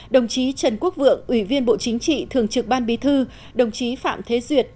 đồng chí trần quốc vượng ủy viên bộ chính trị thường trực ban bí thư đồng chí phạm thế duyệt